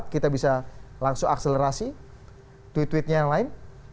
kita bisa langsung akselerasi tweet tweetnya yang lain